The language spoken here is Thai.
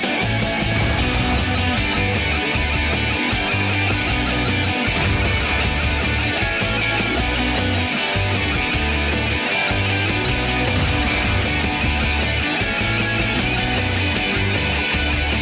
ทำไมคุ้ม